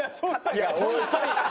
いや本当に。